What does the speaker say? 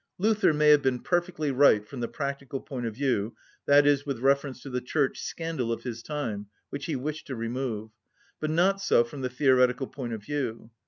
Luther may have been perfectly right from the practical point of view, i.e., with reference to the Church scandal of his time, which he wished to remove, but not so from the theoretical point of view.